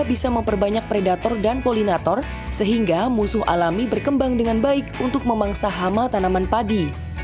bisa memperbanyak predator dan polinator sehingga musuh alami berkembang dengan baik untuk memangsa hama tanaman padi